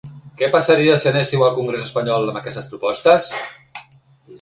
Què passaria si anéssiu al congrés espanyol amb aquestes propostes?